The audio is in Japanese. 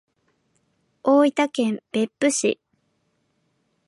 大分県別府市